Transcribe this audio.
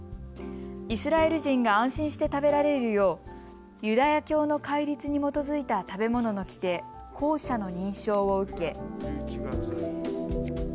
イスラエル人が安心して食べられるようユダヤ教の戒律に基づいた食べ物の規定、コーシャの認証を受け。